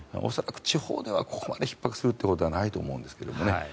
恐らく地方ではここまでひっ迫することはないと思うんですけどね。